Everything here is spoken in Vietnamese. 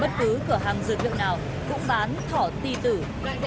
bất cứ cửa hàng dược liệu nào cũng bán thỏ ti tử với nhiều mức giá khác nhau